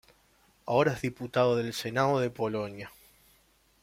Ahora es diputado del Senado de Polonia.